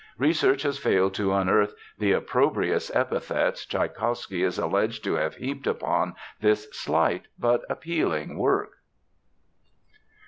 Research has failed to unearth the "opprobrious epithets" Tschaikowsky is alleged to have heaped upon this slight but appealing work.